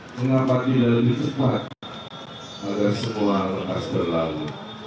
mengapa tidak lebih cepat agar semua lepas berlalu